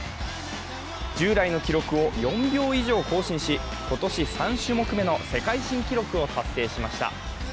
従来の記録を４秒以上更新し、今年３種目目の世界新記録を達成しました。